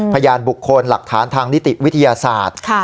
ภรรยาบุคคลหลักฐานทางนิตริวิทยาศาสตร์ค่ะ